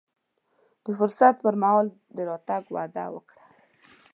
د فرصت پر مهال د راتګ وعده وکړه.